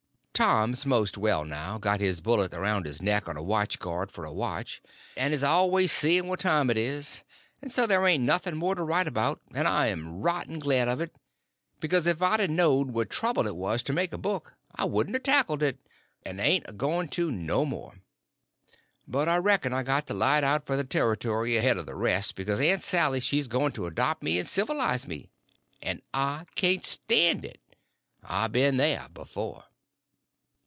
Tom's most well now, and got his bullet around his neck on a watch guard for a watch, and is always seeing what time it is, and so there ain't nothing more to write about, and I am rotten glad of it, because if I'd a knowed what a trouble it was to make a book I wouldn't a tackled it, and ain't a going to no more. But I reckon I got to light out for the Territory ahead of the rest, because Aunt Sally she's going to adopt me and sivilize me, and I can't stand it. I been there before.